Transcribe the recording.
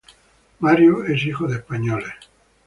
Mario es hijo de españoles.